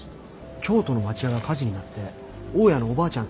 京都の町家が火事になって大家のおばあちゃん